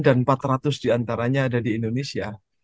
dan empat ratus diantaranya ada di indonesia